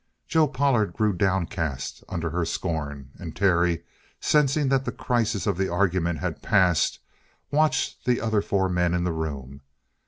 Joe Pollard grew downcast under her scorn. And Terry, sensing that the crisis of the argument had passed, watched the other four men in the room.